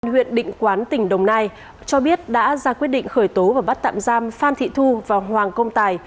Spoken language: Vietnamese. huyện định quán tỉnh đồng nai cho biết đã ra quyết định khởi tố và bắt tạm giam phan thị thu và hoàng công tài